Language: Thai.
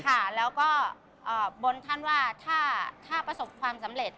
คุณศูนย์ถามธรรมดาวอันนี้มาแล้วก็บ้นท่านว่าถ้าประสบความสำเหร็จ